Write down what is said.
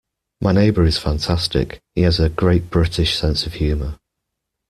My neighbour is fantastic; he has a great British sense of humour.